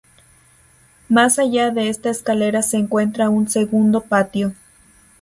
Más allá de esta escalera se encuentra un segundo patio.